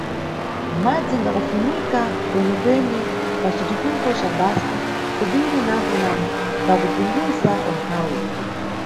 Madzi ngakufunika kwenekwene pa citukuko ca bza kobiri napo na pakupunguza umphawi.